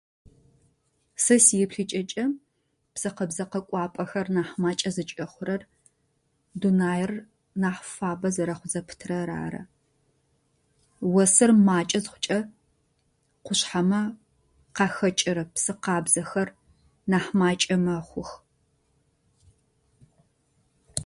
Сэ си еплъыкӏэкӏэ псы къэбзэ къэкӏуапӏэхэр нахь макӏэ зыкӏэхъурэр, дунаер нахь фабэ зэрэхъу зэпытэр ары. Осыр макӏэ зыхъукӏэ, къушъхьэмэ къахэкӏырэ псы къабзэхэр нахь макӏэ мэхъух.